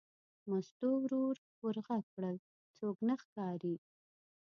مستو ورو ور غږ کړل: څوک نه ښکاري.